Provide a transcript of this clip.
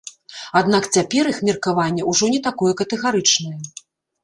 Аднак цяпер іх меркаванне ўжо не такое катэгарычнае.